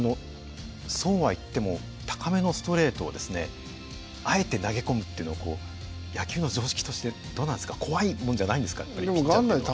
そうは言っても高めのストレートをあえて投げ込むというのは野球の常識としてどうなんですか怖いものじゃないんですかピッチャーっていうのは。